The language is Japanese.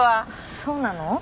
そうなの？